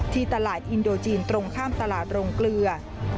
ที่ตลาดอินโดจีนตรงข้ามตลาดโรงเกลือ